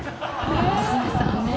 娘さんね。